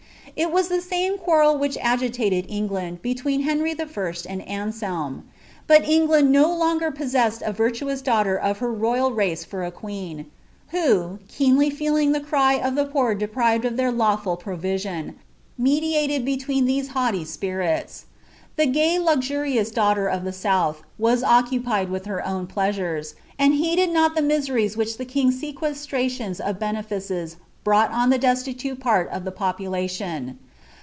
It wm ibt same quarrel which had agitated England, betwt^po Henry L and Ansdin. But England no longer possessed a virtuous daughter c^ her toyti tttt for a (jueen, who, keenly feeling the cry of the poor deprived of duir lawful provision, mediated between iheee haughty epirila. The gay, luxurious daughter of the South was occupied wiili her own plfa«ui«, and heeded not the miseries which the king's aequeslniions of limericM brought on the destitute part of the population.